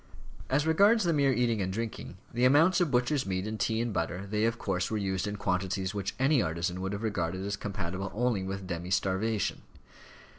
As regards the mere eating and drinking, the amounts of butcher's meat and tea and butter, they of course were used in quantities which any artisan would have regarded as compatible only with demi starvation.